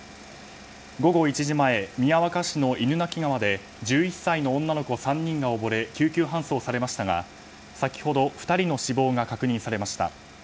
午後１時前、宮若市の犬鳴川で１１歳の女の子３人が溺れ救急搬送されましたが先ほど、２人の死亡が確認されました。